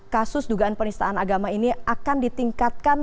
kasus dugaan penistaan agama ini akan ditingkatkan